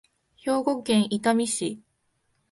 兵庫県伊丹市